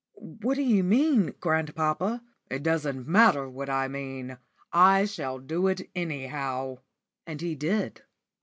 "What d'you mean, grandpapa?" "It doesn't matter what I mean. I shall do it anyhow." And he did.